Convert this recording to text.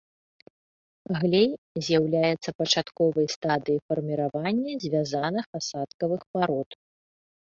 Глей з'яўляецца пачатковай стадыяй фарміравання звязаных асадкавых парод.